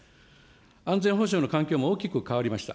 安全保障の環境も大きく変わりました。